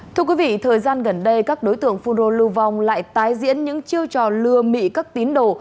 thưa quý vị thời gian gần đây các đối tượng phun rô lưu vong lại tái diễn những chiêu trò lừa mị các tín đồ